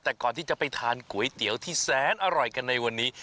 แต่ก่อนที่จะไปทานก๋วยเตี๋ยวที่แสนอร่อยกันในวันนี้